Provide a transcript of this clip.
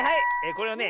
これはね